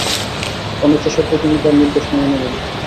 অনিচ্ছা সত্ত্বেও তিনি তাঁর নির্দেশ মেনে নিলেন।